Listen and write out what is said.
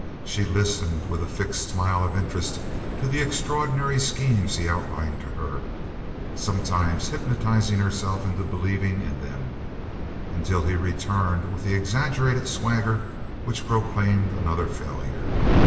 She listened with a fixed smile of interest to the extraordinary schemes he outlined to her, sometimes hypnotizing herself into believing in them, until he returned with the exaggerated swagger which proclaimed another failure.